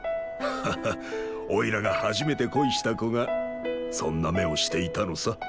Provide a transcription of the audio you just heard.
ハッハッおいらが初めて恋した子がそんな目をしていたのさ。